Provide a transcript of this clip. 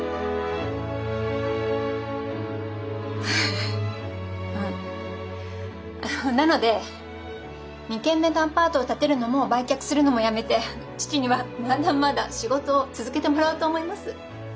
フフあなので２軒目のアパートを建てるのも売却するのもやめて父にはまだまだ仕事を続けてもらおうと思います。